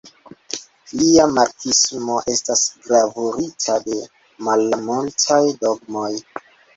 Lia marksismo estas gravurita de malmultaj dogmoj.